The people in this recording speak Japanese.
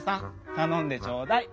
たのんでちょうだい！